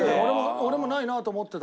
俺もないなと思ってたの今。